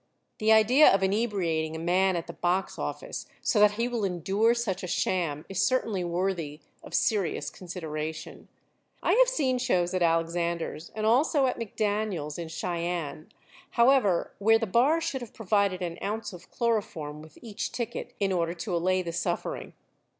The idea of inebriating a man at the box office, so that he will endure such a sham, is certainly worthy of serious consideration. I have seen shows at Alexander's, and also at McDaniel's, in Cheyenne, however, where the bar should have provided an ounce of chloroform with each ticket in order to allay the suffering.